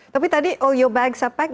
tapi tadi bagian anda sudah dipakai